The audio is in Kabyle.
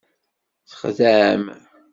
Txedɛem.